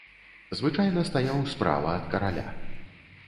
Звычайна стаяў справа ад караля.